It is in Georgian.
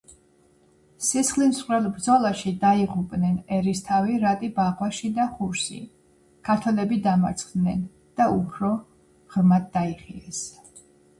სისხლისმღვრელ ბრძოლაში დაიღუპნენ ერისთავი რატი ბაღვაში და ხურსი, ქართველები დამარცხდნენ და უფრო ღრმად დაიხიეს.